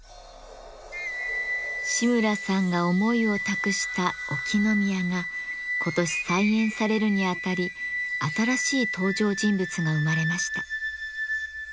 志村さんが思いを託した「沖宮」が今年再演されるにあたり新しい登場人物が生まれました。